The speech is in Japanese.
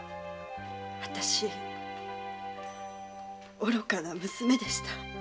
あたし愚かな娘でした。